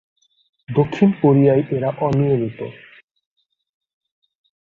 দক্ষিণ কোরিয়ায় এরা অনিয়মিত।